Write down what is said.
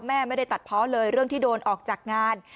แม่ไม่ได้ตัดเพาะเลยเรื่องที่โดนออกจากงาน